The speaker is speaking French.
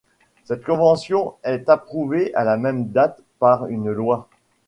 Cette convention est approuvée à la même date par une loi.